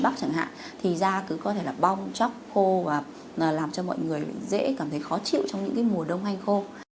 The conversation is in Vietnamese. bắp chẳng hạn thì da cứ có thể là bong chóc khô và làm cho mọi người dễ cảm thấy khó chịu trong những mùa đông hay khô